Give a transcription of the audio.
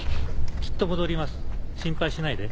きっと戻ります心配しないで。